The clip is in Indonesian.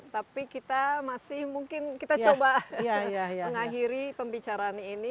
tapi kita masih mungkin kita coba mengakhiri pembicaraan ini